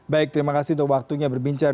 baik terima kasih untuk waktunya berbincang